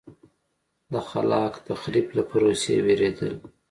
د خلاق تخریب له پروسې وېرېدل.